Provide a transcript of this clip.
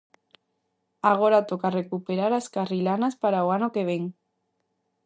Agora toca recuperar as carrilanas para o ano que vén.